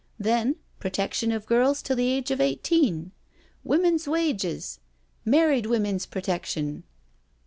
Then Protection of Girls till the age of Eighteen — ^Women's Wages — Mar ried Women's Protection."